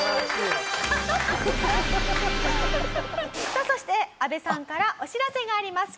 さあそして阿部さんからお知らせがあります。